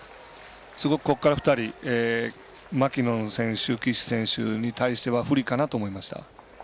すごく、ここから２人マキノン選手、岸選手に対しては不利かなと思いました。